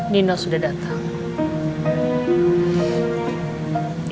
nino sudah datang